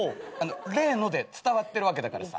「例の」で伝わってるわけだからさ。